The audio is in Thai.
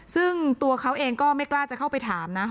ซึ่งตัวเขาเองก็ไม่กล้าจะเข้าไปถามนะ